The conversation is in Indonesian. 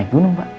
naik gunung pak